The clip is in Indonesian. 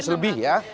enam ratus lebih ya